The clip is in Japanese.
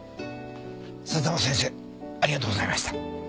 佐沢先生ありがとうございました。